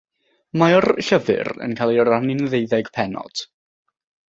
Mae'r llyfr yn cael ei rannu'n ddeuddeg pennod.